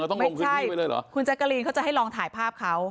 เราต้องลงขึ้นที่นี่ไปเลยเหรอไม่ใช่คุณแจ๊กกะลีนเขาจะให้ลองถ่ายภาพเขา